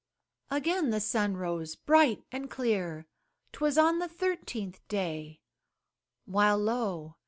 Again the sun rose, bright and clear, 'Twas on the thirteenth day, While, lo!